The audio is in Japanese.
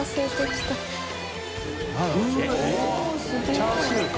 チャーシューか。